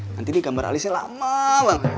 nanti di gambar alisnya lama bang